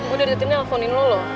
udah datengnya aku telfonin lo